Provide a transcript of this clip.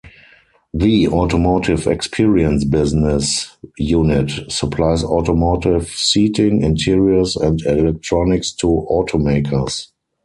The Automotive Experience business unit supplies automotive seating, interiors and electronics to automakers.